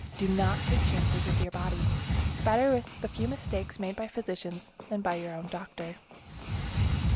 Do not take chances with your body. Better risk the few mistakes made by physicians than by your own doctor.